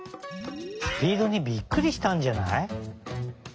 スピードにびっくりしたんじゃない？